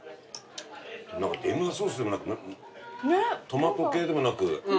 何かデミグラスソースでもなくトマト系でもなく。